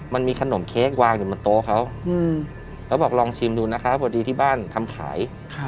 มันมีขนมเค้กวางอยู่บนโต๊ะเขาแล้วบอกลองชิมดูนะคะพอดีที่บ้านทำขาย